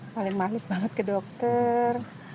paling manis banget ke dokter